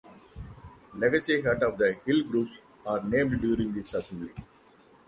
Legacy Heart of the Hill groups are named during this assembly.